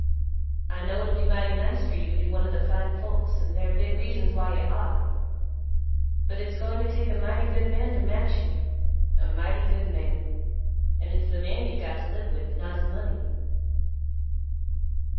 I know it'll be mighty nice for you to be one of the fine folks and they're big reasons why you ought, but it's goin' to take a mighty good man to match you—a mighty good man. And it's the man you've got to live with, not his money."